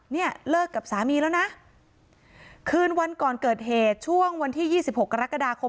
เนี่ยเลิกกับสามีแล้วนะคืนวันก่อนเกิดเหตุช่วงวันที่ยี่สิบหกกรกฎาคม